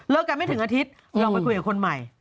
กันไม่ถึงอาทิตย์ลองไปคุยกับคนใหม่